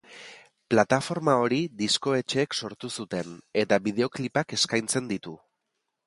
Plataforma hori diskoetxeek sortu zuten, eta bideoklipak eskaintzen ditu.